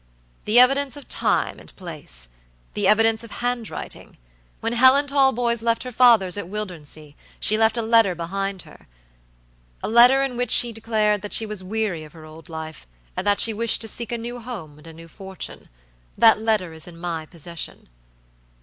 "The evidence of time and place. The evidence of handwriting. When Helen Talboys left her father's at Wildernsea, she left a letter behind hera letter in which she declared that she was weary of her old life, and that she wished to seek a new home and a new fortune. That letter is in my possession."